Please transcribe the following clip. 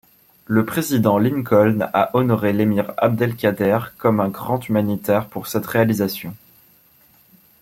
Le président Lincoln a honoré l'Émir Abdelkader comme un grand humanitaire pour cette réalisation.